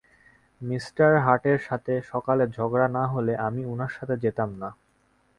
Mister হার্টের সাথে সকালে ঝগড়া না হলে আমি উনার সাথে যেতাম না।